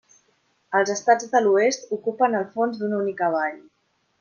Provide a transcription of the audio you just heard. Els estats de l'Oest ocupen el fons d'una única vall.